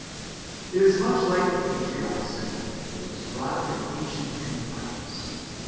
It is much like the patriotic sentiment of those brought up in ancient empires.